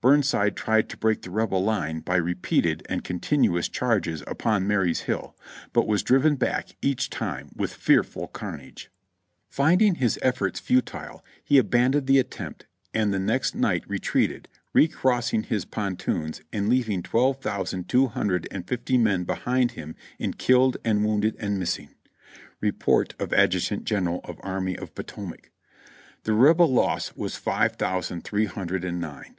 Burnside tried to break the Rebel line by repeated and contin uous charges upon Marye's Hill, but was driven back each time with fearful carnage. FRDDDRICKSBURG 3 I 5 Finding his efforts futile, he abandoned the attempt and the next night retreated, re crossing his pontoons and leaving twelve thousand two hundred and fifty men behind him in killed and wounded and missing. (Report of Adjutant General of Army of Potomac.) The Rebel loss was five thousand three hundred and nine.